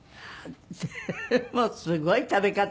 でもすごい食べ方で。